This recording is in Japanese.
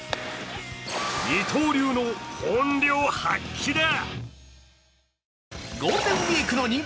二刀流の本領発揮だ。